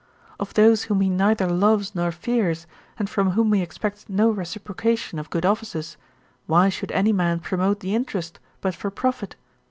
Of those whom he neither loves nor fears, and from whom he expects no reciprocation of good offices, why should any man promote the interest but for profit?